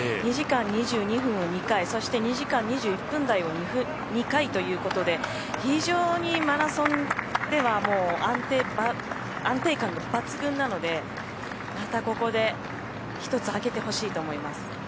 ２時間２２分を２回そして２時間２１分台を２回ということで非常にマラソンでは安定感が抜群なのでまたここで１つ、上げてほしいなと思います。